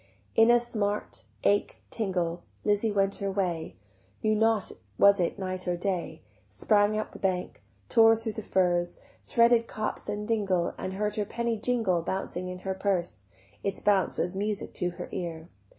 In a smart, ache, tingle, Lizzie went her way; Knew not was it night or day; Sprang up the bank, tore thro' the furze, Threaded copse and dingle, And heard her penny jingle Bouncing in her purse, Its bounce was music to her ear.